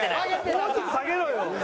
もうちょっと下げろよ。